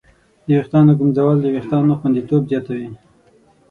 د ویښتانو ږمنځول د وېښتانو خوندیتوب زیاتوي.